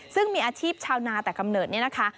ซึ่งมีอาชีพชาวนาแต่กำเนิดเนี่ยนะคะ